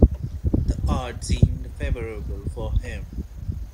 The odds seemed favourable for him.